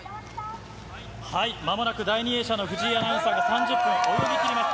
はい、まもなく第２泳者の藤井アナウンサーが、３０分を泳ぎきります。